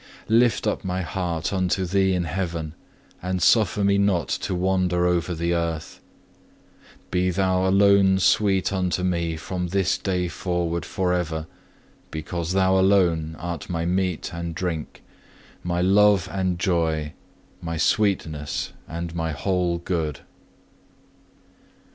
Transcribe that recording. Lift up my heart unto Thee in Heaven, and suffer me not to wander over the earth. Be Thou alone sweet unto me from this day forward for ever, because Thou alone art my meat and drink, my love and joy, my sweetness and my whole good.